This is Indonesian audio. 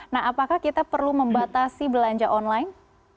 nah apakah kita perlu membatasi belanja online